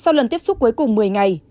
sau lần tiếp xúc cuối cùng một mươi ngày